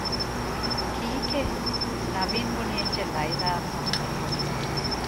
ކީކޭ؟ ނަވީން ބުނި އެއްޗެއް ލައިބާއަށް ފަހުމެއް ނުވި